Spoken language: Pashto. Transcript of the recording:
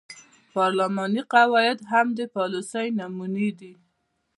پارلماني قواعد هم د پالیسۍ نمونې دي.